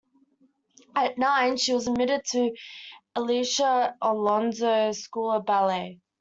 At nine, she was admitted to the Alicia Alonso School of Ballet.